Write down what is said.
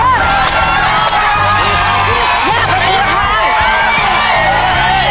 ตัวล้วนมือ